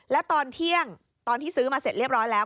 แล้วตอนเที่ยงตอนที่ซื้อมาเสร็จเรียบร้อยแล้ว